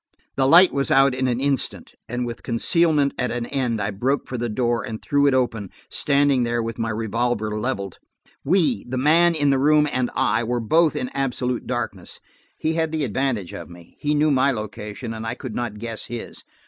The light was out in an instant, and with concealment at an end, I broke for the door and threw it open, standing there with my revolver leveled. We–the man in the room, and I–were both in absolute darkness. He had the advantage of me. He knew my location, and I could not guess his.